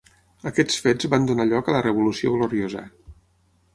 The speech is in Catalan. Aquests fets van donar lloc a la Revolució Gloriosa.